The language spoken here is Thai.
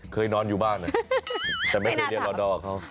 เคยนอนอยู่บ้านแต่ไม่เคยเรียนรอดอร์กับเขา